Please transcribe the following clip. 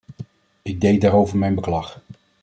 Ik deed daarover mijn beklag.